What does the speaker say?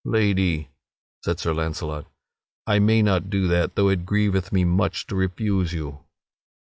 "Lady," said Sir Launcelot, "I may not do that, though it grieveth me much to refuse you."